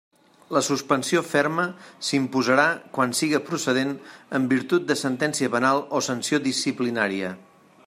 La suspensió ferma s'imposarà quan siga procedent en virtut de sentència penal o sanció disciplinària.